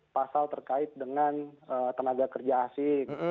pasal terkait dengan tenaga kerja asing